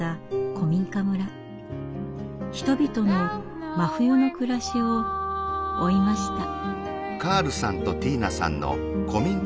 人々の真冬の暮らしを追いました。